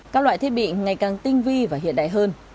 các loại thiết bị ngày càng tinh vi và hiện đại hơn